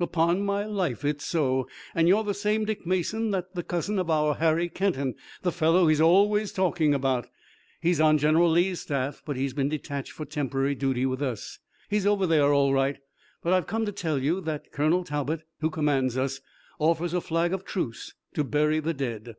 Upon my life it's so, and you're the same Dick Mason that's the cousin of our Harry Kenton, the fellow he's always talking about! He's on General Lee's staff, but he's been detached for temporary duty with us. He's over there all right. But I've come to tell you that Colonel Talbot, who commands us, offers a flag of truce to bury the dead.